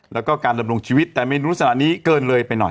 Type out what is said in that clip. แล้วก็การดำรงชีวิตแต่เมนูสละนี้เกินเลยไปหน่อย